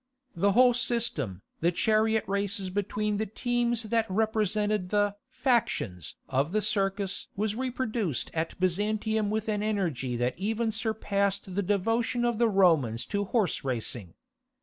The whole system the chariot races between the teams that represented the "factions" of the Circus was reproduced at Byzantium with an energy that even surpassed the devotion of the Romans to horse racing.